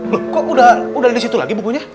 loh kok udah udah di situ lagi bukunya